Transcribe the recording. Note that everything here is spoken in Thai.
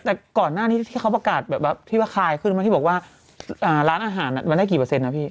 แต่ก่อนหน้านี้ที่เขาประกาศแบบที่ว่าคายขึ้นมาที่บอกว่าร้านอาหารมันได้กี่เปอร์เซ็นนะพี่